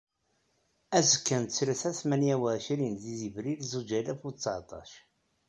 Azekka n ttlata tmara u εecrin deg yebrir zuǧ alaf u seεṭac.